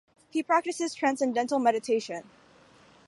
He practices Transcendental Meditation.